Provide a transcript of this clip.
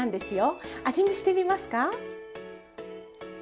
味見してみますか？